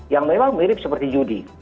yang memang mirip seperti judi